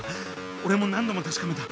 俺も何度も確かめた。